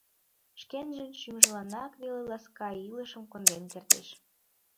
Шкенжын шӱмжыланак веле ласка илышым конден кертеш...